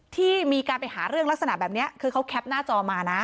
ที่มีการไปหาเรื่องลักษณะแบบนี้คือเขาแคปหน้าจอมานะ